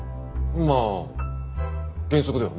まあ原則ではね。